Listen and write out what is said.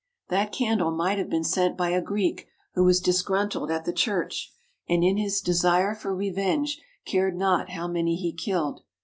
That candle might have been sent by a Greek who was disgruntled at the Church, and in his desire for revenge cared not how many he killed.